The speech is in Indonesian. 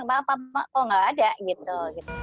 papa kok nggak ada gitu